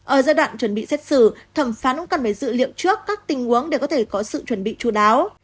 ở giai đoạn chuẩn bị xét xử thẩm phán cần phải dự liệu trước các tình huống để có thể có sự chuẩn bị chú đáo